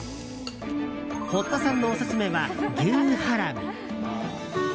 堀田さんのオススメは、牛ハラミ。